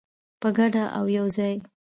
په ګډه او یوځای.